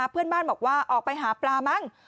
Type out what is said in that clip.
เพื่อนบ้านบอกว่าออกไปหาปลามั้ง